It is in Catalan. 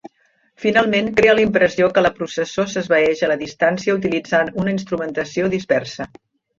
Finalment crea la impressió que la processó s'esvaeix a la distància utilitzant una instrumentació dispersa.